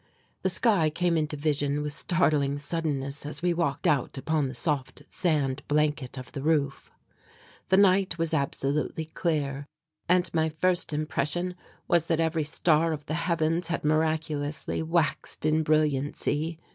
The sky came into vision with startling suddenness as we walked out upon the soft sand blanket of the roof. The night was absolutely clear and my first impression was that every star of the heavens had miraculously waxed in brilliancy.